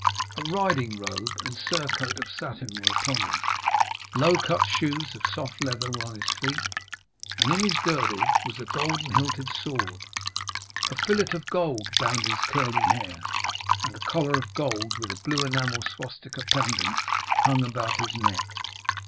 A riding robe and surcoat of satin were upon him, low cut shoes of soft leather were on his feet, and in his girdle was a golden hilted sword. A fillet of gold bound his curly hair, and a collar of gold, with a blue enamel swastika pendant, hung about his neck.